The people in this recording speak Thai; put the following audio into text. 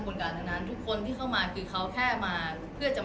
หรือเงินจากทางที่มีคนบังเกียรติวะเนี่ย